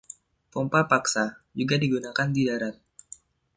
Pompa paksa juga digunakan di darat.